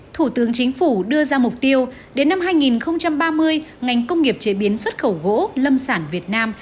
thủ tướng chính phủ đưa ra mục tiêu đến năm hai nghìn ba mươi ngành công nghiệp chế biến xuất khẩu gỗ lâm sản việt nam